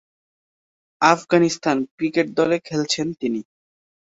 Afghanistan cricket দলে খেলছেন তিনি।